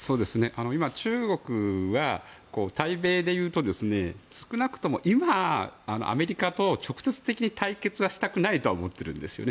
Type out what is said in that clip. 今、中国は対米でいうと少なくとも今、アメリカと直接的に対決はしたくはないと思っているんですね。